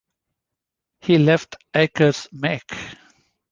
He left Akers Mek.